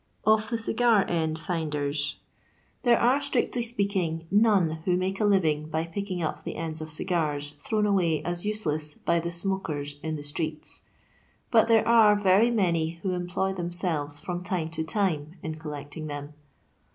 '' Of Tni CiOAft Ein> FixDBaa. TnBnB are, strictly speaking, none who make a living by picking up the cifds of cigars thrown away as useless by the smokers in tha streets, but there are very many who employ themselves iVom time to timfein eolleeting them.